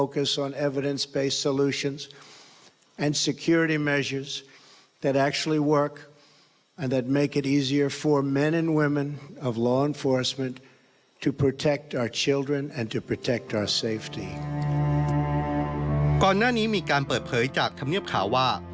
ก่อนหน้านี้มีการเปิดเผยจากธรรมเนียบข่าวว่า